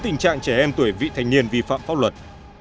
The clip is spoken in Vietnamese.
tình trạng trẻ em tuổi vị thành niên vi phạm pháp luật